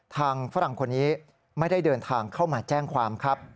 ฝรั่งคนนี้ไม่ได้เดินทางเข้ามาแจ้งความครับ